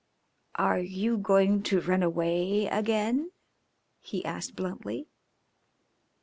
"Are you going to run away again?" he asked bluntly.